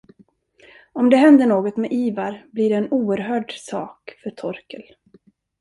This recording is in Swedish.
Om det händer något med Ivar blir det en oerhörd sak för Torkel.